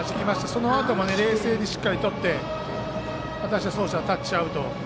そのあともしっかりとって打者、走者タッチアウト。